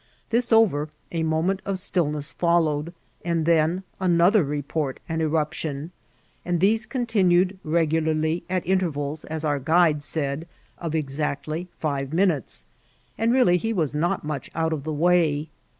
This over, a moment of stillness followed, and then another report and enq>tion, and these continued regolarly, at interrals, as our guide said, of exactly five minutes, and really he was not much out of the way.